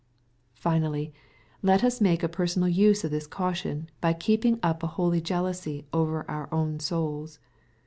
'' Finally, let us make a personal use of this caution, by keeping up a holy jealousy over our own souls.